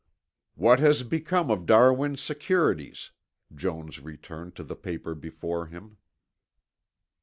"What has become of Darwin's securities?" Jones returned to the paper before him.